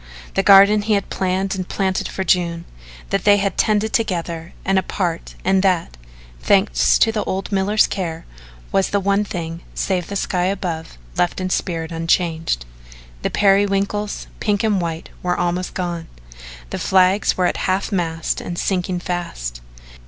The garden he had planned and planted for June that they had tended together and apart and that, thanks to the old miller's care, was the one thing, save the sky above, left in spirit unchanged. The periwinkles, pink and white, were almost gone. The flags were at half mast and sinking fast.